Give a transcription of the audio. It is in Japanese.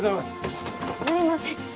すいません。